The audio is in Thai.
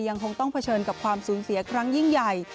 ยังคงต้องเผชิญกับความสูญเสียครั้งยิ่งใหญ่